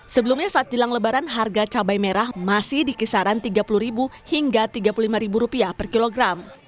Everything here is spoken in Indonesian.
sebelumnya saat jelang lebaran harga cabai merah masih di kisaran rp tiga puluh hingga rp tiga puluh lima per kilogram